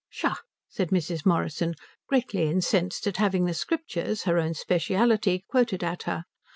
"Psha," said Mrs. Morrison, greatly incensed at having the Scriptures, her own speciality, quoted at her.